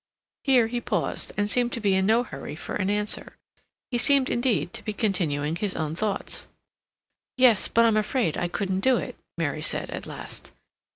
Here he paused, and seemed to be in no hurry for an answer; he seemed, indeed, to be continuing his own thoughts. "Yes, but I'm afraid I couldn't do it," Mary said at last.